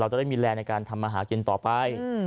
เราจะได้มีแลร์ในการทำมหาเกณฑ์ต่อไป